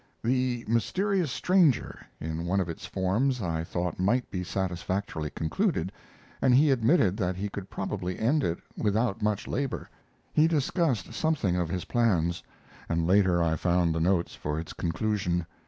"The Mysterious Stranger" in one of its forms I thought might be satisfactorily concluded, and he admitted that he could probably end it without much labor. He discussed something of his plans, and later I found the notes for its conclusion.